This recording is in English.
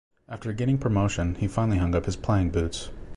After gaining promotion he finally hung up his playing boots.